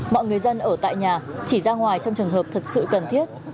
mọi người dân ở tại nhà chỉ ra ngoài trong trường hợp thật sự cần thiết